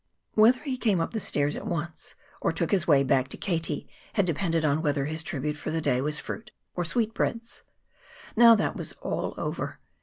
Whether he came up the stairs at once or took his way back to Katie had depended on whether his tribute for the day was fruit or sweetbreads. Now that was all over.